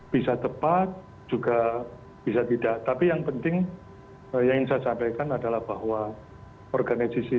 bisa tepat juga bisa tidak tapi yang penting yang saya sampaikan adalah bahwa organisasi